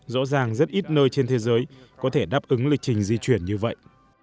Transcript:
rõ ràng rất ít nơi trên thế giới có thể đáp ứng lịch trình di chuyển như vậy